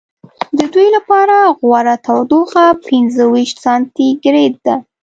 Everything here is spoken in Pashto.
د دوی لپاره غوره تودوخه پنځه ویشت سانتي ګرېد ده.